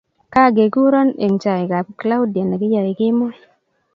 Kageguro eng chaikab Claudia nekiyoe kemoi